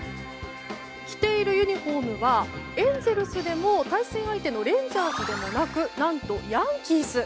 着ているユニホームはエンゼルスでも対戦相手のレンジャーズでもなく何とヤンキース。